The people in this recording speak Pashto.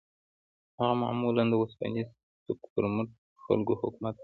هغه معمولاً د اوسپنيز سوک پر مټ پر خلکو حکومت کاوه.